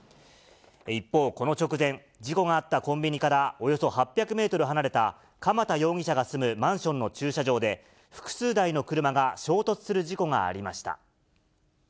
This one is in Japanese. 一方、この直前、事故があったコンビニから、およそ８００メートル離れた、鎌田容疑者が住むマンションの駐車場で、複数台の車が衝突する事故がありました。